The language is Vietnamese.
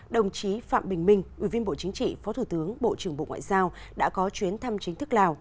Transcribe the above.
đồng chí phạm bình minh ủy viên bộ chính trị phó thủ tướng bộ trưởng bộ ngoại giao đã có chuyến thăm chính thức lào